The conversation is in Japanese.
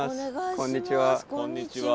こんにちは。